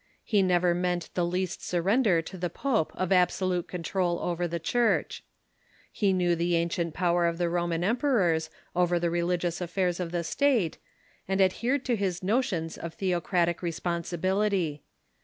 He never meant the least surrender to the pope of absolute control over the Church. He "xamp^e^* knew the ancient power of the Roman emperors over the religious affairs of the State, and adhered to his notions of theocratic responsibility.